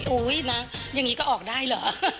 อุ๊ยนะอย่างนี้ก็ออกได้เหรอ